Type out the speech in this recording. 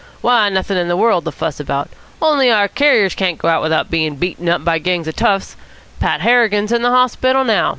"Why, nothing in the world to fuss about, only our carriers can't go out without being beaten up by gangs of toughs. Pat Harrigan's in the hospital now.